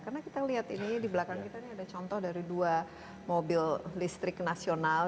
karena kita lihat ini di belakang kita ini ada contoh dari dua mobil listrik nasional